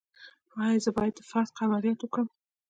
ایا زه باید د فتق عملیات وکړم؟